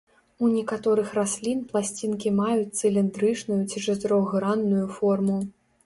У некаторых раслін пласцінкі маюць цыліндрычную ці чатырохгранную форму.